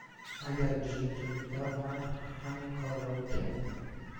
اگر به جای تو بودم، من همین کار را می کردم.